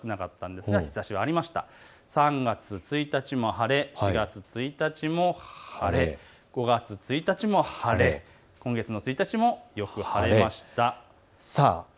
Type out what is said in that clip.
元日、そして２月の１日、３月１日も晴れ、４月１日も晴れ、５月１日も晴れ、今月の１日もよく晴れました。